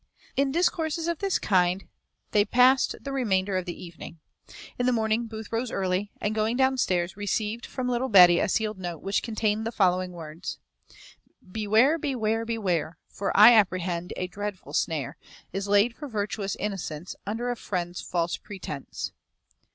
In discourses of this kind they past the remainder of the evening. In the morning Booth rose early, and, going down stairs, received from little Betty a sealed note, which contained the following words: Beware, beware, beware; For I apprehend a dreadful snare Is laid for virtuous innocence, Under a friend's false pretence.